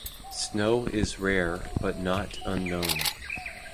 Snow is rare but not unknown.